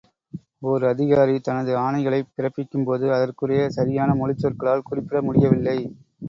ஓர் அதிகாரி தனது ஆணைகளைப் பிறப்பிக்கும்போது அதற்குரிய சரியான மொழிச் சொற்களால் குறிப்பிட முடியவில்லை.